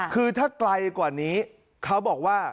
คือถ้าไกลกว่านี้เขาบอกว่า